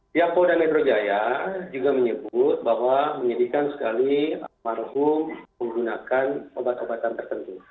pihak polda metro jaya juga menyebut bahwa menyedihkan sekali almarhum menggunakan obat obatan tertentu